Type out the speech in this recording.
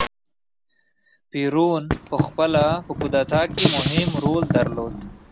پېرون په خپله په کودتا کې مهم رول درلود.